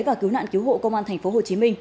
và cứu nạn cứu hộ công an tp hcm